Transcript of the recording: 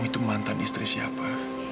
itu mantan istri siapa